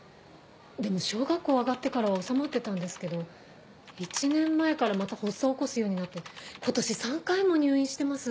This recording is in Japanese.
でも小学校上がってからは治まってたんですけど１年前からまた発作を起こすようになって今年３回も入院してます。